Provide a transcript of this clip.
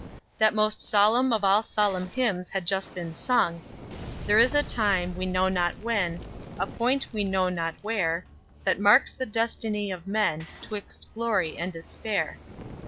That most solemn of all solemn hymns had just been sung: "There is a time, we know not when A point, we know not where, That marks the destiny of men 'Twixt glory and despair.